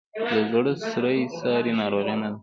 د زړه سوری ساري ناروغي نه ده.